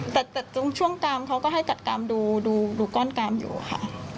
แต่ตรงช่วงกามเขาก็ให้จัดกามดูก้อนกามอยู่ค่ะ